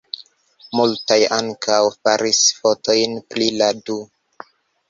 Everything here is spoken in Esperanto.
Multaj ankaŭ faris fotojn pri la du.